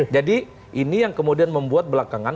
jadi ini yang kemudian membuat belakangan